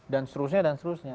dan seterusnya dan seterusnya